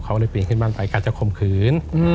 เขาเลยปีนขึ้นบ้านไปกะจะข่มขืน